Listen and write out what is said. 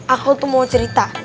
aku tuh mau cerita